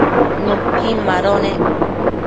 nuquin mado nec